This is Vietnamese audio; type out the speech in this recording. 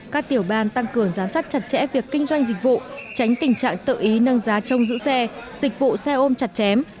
các tiểu ban tăng cường giám sát chặt chẽ việc kinh doanh dịch vụ tránh tình trạng tự ý nâng giá trong giữ xe dịch vụ xe ôm chặt chém